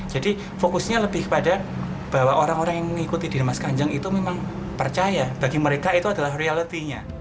jadi fokusnya lebih kepada bahwa orang orang yang mengikuti dimas kanjang itu memang percaya bagi mereka itu adalah reality nya